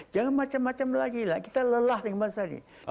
jangan macam macam lagi lah kita lelah dengan mas adi